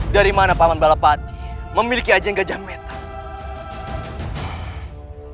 dari mana pahaman balapati memiliki ajang gajah metal